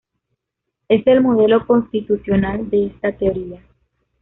Es el modelo constitucional de esta teoría.